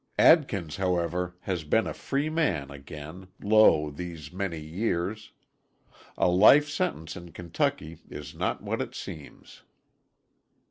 Adkins, however, has been a free man again, lo these many years. A life sentence in Kentucky is not what it seems.